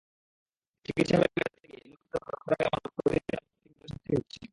চিকিৎসা ব্যয় মেটাতে গিয়ে নিম্নবিত্ত পরিবারের মানুষ প্রতিনিয়ত আর্থিক বিপর্যয়ের সম্মুখীন হচ্ছে।